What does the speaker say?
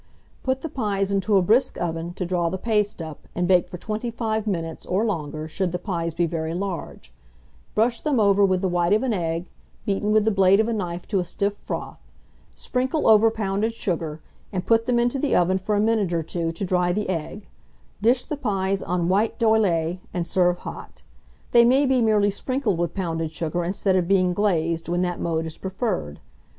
Put the pies into a brisk oven, to draw the paste up, and bake for 25 minutes, or longer, should the pies be very large; brush them over with the white of an egg, beaten with the blade of a knife to a stiff froth; sprinkle over pounded sugar, and put them into the oven for a minute or two, to dry the egg; dish the pies on a white d'oyley, and serve hot. They may be merely sprinkled with pounded sugar instead of being glazed, when that mode is preferred.